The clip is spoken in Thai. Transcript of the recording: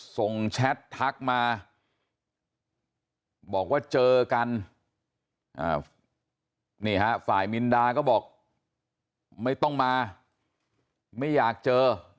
แชทักมาบอกว่าเจอกันนี่ฮะฝ่ายมินดาก็บอกไม่ต้องมาไม่อยากเจอ